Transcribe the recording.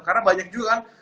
karena banyak juga kan